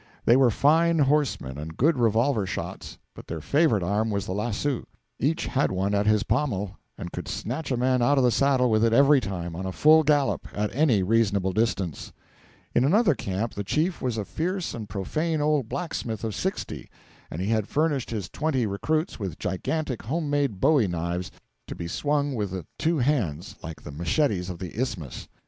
They were fine horsemen and good revolver shots; but their favourite arm was the lasso. Each had one at his pommel, and could snatch a man out of the saddle with it every time, on a full gallop, at any reasonable distance. In another camp the chief was a fierce and profane old blacksmith of sixty, and he had furnished his twenty recruits with gigantic home made bowie knives, to be swung with the two hands, like the machetes of the Isthmus.